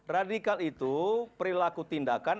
radikal itu perilaku tindakan